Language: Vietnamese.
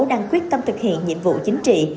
đang quyết tâm thực hiện nhiệm vụ chính trị